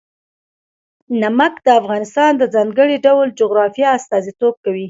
نمک د افغانستان د ځانګړي ډول جغرافیه استازیتوب کوي.